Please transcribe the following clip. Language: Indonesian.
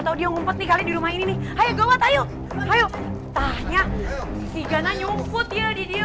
tau dia ngumpet nih kali di rumah ini nih ayo gowet ayo ayo tanya sigana nyumput ya di dia